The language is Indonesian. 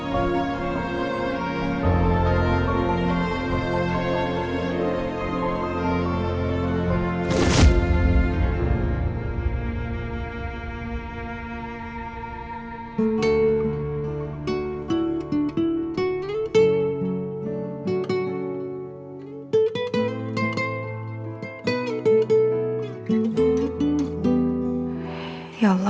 terima kasih ya allah